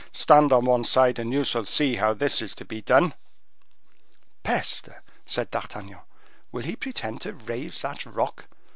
stand on one side, and you shall see how this is to be done." "Peste!" said D'Artagnan, "will he pretend to raise that rock?